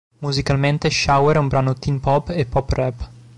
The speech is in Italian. Musicalmente, "Shower" è un brano teen pop e pop rap.